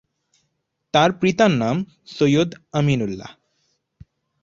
তার পিতার নাম সৈয়দ আমিন উল্লাহ।